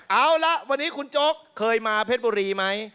เอาละคุณจ๊กเคยมาเพชรบุรีไหม